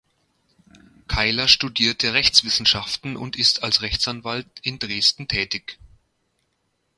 Keiler studierte Rechtswissenschaften und ist als Rechtsanwalt in Dresden tätig.